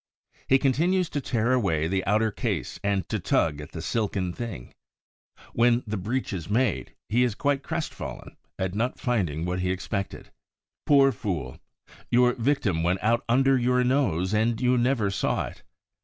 He continues to tear away the outer case and to tug at the silken lining. When the breach is made, he is quite crestfallen at not finding what he expected. Poor fool! Your victim went out under your nose and you never saw it.